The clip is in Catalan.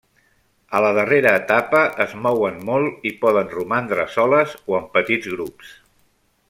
A la darrera etapa es mouen molt i poden romandre soles o en petits grups.